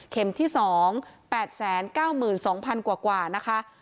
ที่๒๘๙๒๐๐๐กว่านะคะ